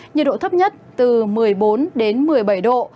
nhiệt độ thấp nhất từ một mươi bốn đến một mươi bảy độ